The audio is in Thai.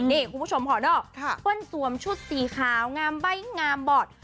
นี่คุณผู้ชมหอดอกเปิ้ลสวมชุดสีขาวงามใบ้งามบอร์ด